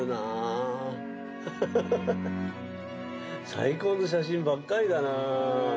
最高の写真ばっかりだなぁ